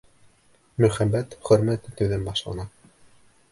Мөхәббәт хөрмәт итеүҙән башлана.